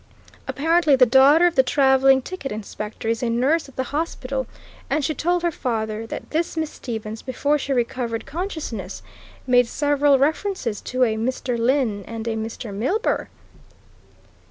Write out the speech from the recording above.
Apparently the daughter of the travelling ticket inspector is a nurse at the hospital, and she told her father that this Miss Stevens, before she recovered consciousness, made several references to a 'Mr. Lyne' and a 'Mr. Milburgh'!"